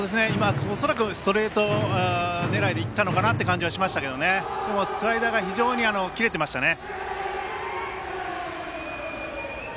恐らくストレート狙いでいった感じはしましたけどでも、スライダーが非常にキレてましたね。